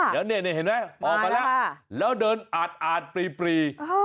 เดี๋ยวเนี่ยเห็นไหมออกมาแล้วแล้วเดินอาดปรี